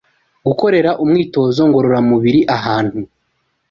Gukorera umwitozo ngororamubiri ahantu